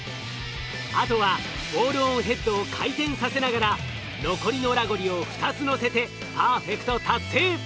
あとはボールオンヘッドを回転させながら残りのラゴリを２つのせてパーフェクト達成。